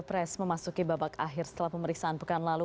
drama rama yang memasuki babak akhir setelah pemeriksaan minggu lalu